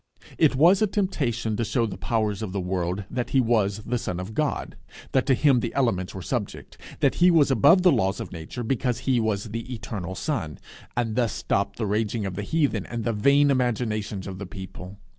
It was a temptation to shew the powers of the world that he was the Son of God; that to him the elements were subject; that he was above the laws of Nature, because he was the Eternal Son; and thus stop the raging of the heathen, and the vain imaginations of the people.